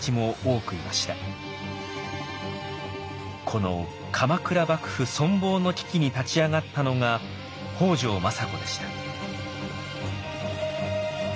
この鎌倉幕府存亡の危機に立ち上がったのが北条政子でした。